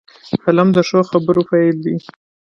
قلم د ښو خبرو پيل دی